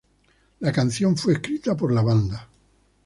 La canción fue escrita por la banda.